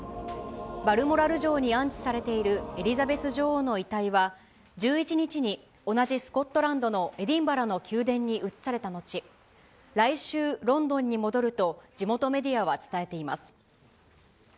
バルモラル城に安置されているエリザベス女王の遺体は、１１日に同じスコットランドのエディンバラの宮殿に移された後、来週、ロンドンに戻ると、地元メディアは伝えています。